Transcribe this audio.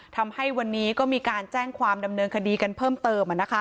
ทำให้วันนี้ก็มีการแจ้งความดำเนินคดีกันเพิ่มเติม